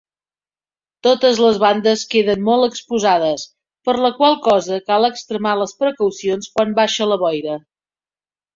Totes les bandes queden molt exposades, per la qual cosa cal extremar les precaucions quan baixa la boira.